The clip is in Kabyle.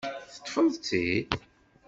Teṭṭfeḍ-tt-id?